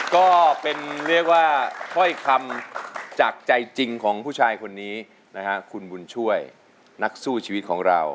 ก็เป็นเรียกว่าถ้อยคำจากใจจริงของผู้ชายคนนี้นะฮะคุณบุญช่วยนักสู้ชีวิตของเรา